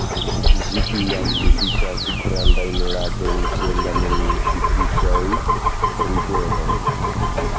Ĝi iam vizitas grandajn lagojn ĉe la menciitaj riveroj.